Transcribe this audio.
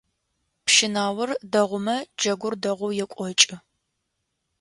Пщынаор дэгъумэ джэгур дэгъоу екӏокӏы.